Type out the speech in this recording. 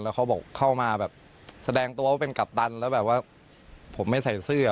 แล้วเขาบอกเข้ามาแบบแสดงตัวว่าเป็นกัปตันแล้วแบบว่าผมไม่ใส่เสื้อ